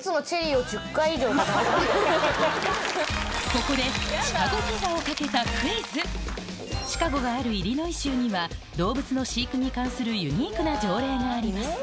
ここでシカゴピザを懸けたシカゴがあるイリノイ州には動物の飼育に関するユニークな条例があります